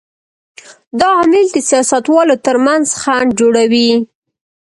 دا عامل د سیاستوالو تر منځ خنډ جوړوي.